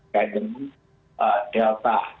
kait dengan delta